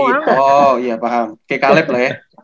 oh iya paham kayak kaleb lah ya